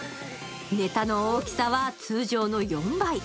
ネタの大きさは通常の４倍。